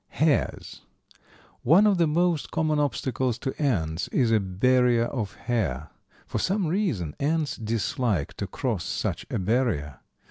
Hairs. One of the most common obstacles to ants is a barrier of hair. For some reason, ants dislike to cross such a barrier.